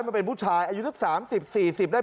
มันเป็นผู้ชายอายุสัก๓๐๔๐ได้